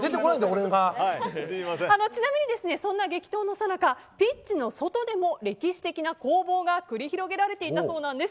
ちなみに、そんな激闘のさなかピッチの外でも歴史的な攻防が繰り広げられていたそうなんです。